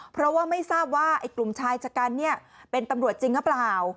เพราะว่าไม่ทราบว่าไอ้กลุ่มชายชะกันเป็นตำรวจจริงหรือเปล่า